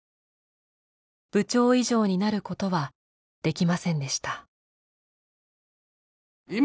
部長以上になることはできませんでした。